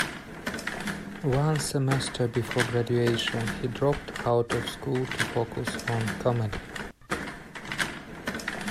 One semester before graduation, he dropped out of school to focus on comedy.